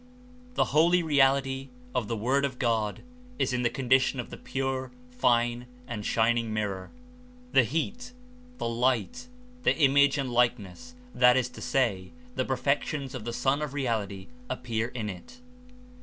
'* ^^The Holy Reality of the Word of God is in the condition of the pure, fine and shining mirror; the heat, the light, the image and likeness, that is to say, the perfections of the Sun of Reality appear in it.